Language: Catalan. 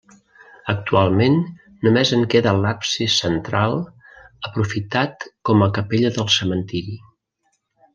Actualment només en queda l'absis central, aprofitat com a capella del cementiri.